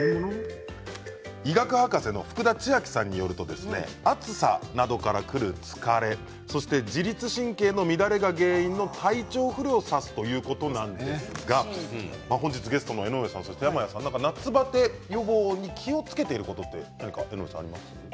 医学博士の福田千晶さんによると暑さなどからくる疲れ自律神経の乱れが原因の体調不良を指すということなんですが本日ゲストの江上さんと山谷さん夏バテ予防に気をつけていることって何かありますか？